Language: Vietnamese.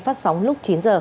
phát sóng lúc chín giờ